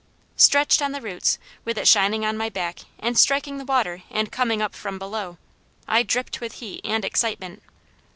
Stretched on the roots, with it shining on my back, and striking the water and coming up from below, I dripped with heat and excitement.